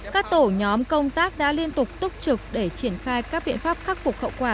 các tổ nhóm công tác đã liên tục túc trực để triển khai các biện pháp khắc phục hậu quả